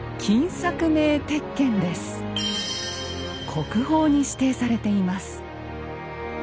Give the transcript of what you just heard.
国宝に指定されています。